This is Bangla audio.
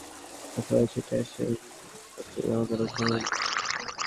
তবে সহকর্মীর মৃত্যুর খবর শুনে হাসপাতালে ছুটে আসেন চট্টগ্রাম আদালতে কর্মরত বিচারকেরা।